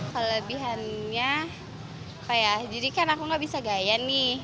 kelebihannya apa ya jadi kan aku gak bisa gaya nih